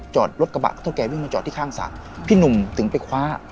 รถกระบะเท่าแกวิ่งมาจอดที่ข้างสระพี่หนุ่มถึงไปคว้า